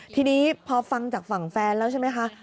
ทีนี้พอฟังจากฝั่งแฟนแล้วใช่ไหมคะ